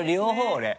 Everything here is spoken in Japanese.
俺。